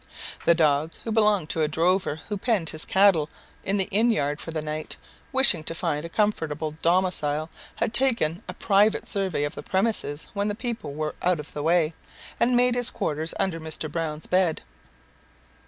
The dog, who belonged to a drover who penned his cattle in the inn yard for the night, wishing to find a comfortable domicile, had taken a private survey of the premises when the people were out of the way, and made his quarters under Mr. Browne's bed.